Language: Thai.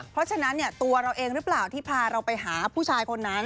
เพราะฉะนั้นตัวเราเองหรือเปล่าที่พาเราไปหาผู้ชายคนนั้น